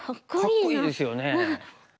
かっこいいですよね。